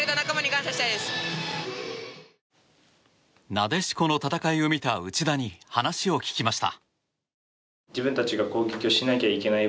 なでしこの戦いを見た内田に話を聞きました。